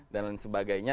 dan lain sebagainya